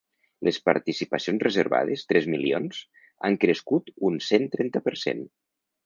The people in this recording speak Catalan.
Les participacions reservades, tres milions, han crescut un cent trenta per cent.